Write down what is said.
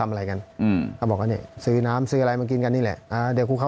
เพียงก็บอกว่าซื้อน้ำซื้ออะไรมากินกันเนี่ยแล้ว